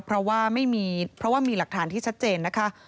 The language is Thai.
เพราะว่ามีหลักฐานที่ชัดเจนนะคะ